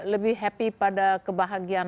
lebih happy pada kebahagiaan